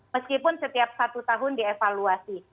meskipun setiap satu tahun dievaluasi